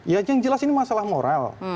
ya yang jelas ini masalah moral